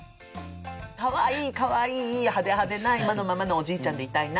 かわいいかわいい派手派手な今のままのおじいちゃんでいたいなと思って。